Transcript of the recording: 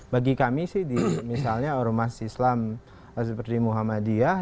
bagi kami sih di misalnya ormas islam seperti muhammadiyah